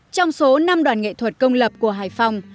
trong số năm đoàn nghệ thuật công lập của hải phòng